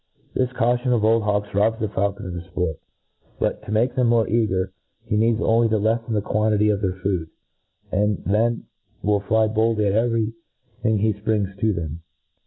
This caution of old hawks robs the fsiukoner of his fport ;. but, to make them more eager, be needs only to leflen the quantity of their food j and then they will fly boWly at every thing he fprings to them.